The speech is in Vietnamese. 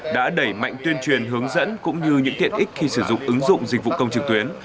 đã đẩy mạnh tuyên truyền hướng dẫn cũng như những tiện ích khi sử dụng ứng dụng dịch vụ công trực tuyến